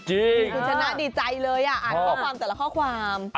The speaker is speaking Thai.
คุณชนะดีใจเลยอ่านข้อความแต่ละข้อความ